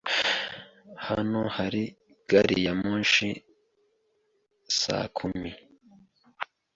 Hano hari gari ya moshi saa kumi.